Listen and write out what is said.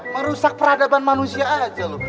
merusak peradaban manusia aja loh